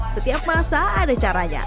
setiap masa ada caranya